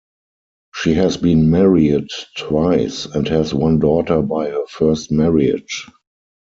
She has been married twice and has one daughter by her first marriage.